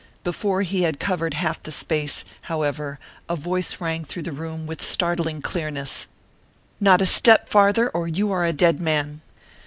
Before he had covered half the space, however, a voice rang through the room with startling clearness, "Not a step farther, or you are a dead man!"